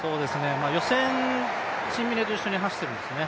予選シンビネと一緒に走ってるんですね。